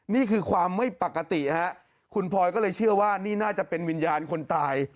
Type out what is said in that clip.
นี่คือความไม่ปกติฮะคุณพลอยก็เลยเชื่อว่านี่น่าจะเป็นวิญญาณคนตาย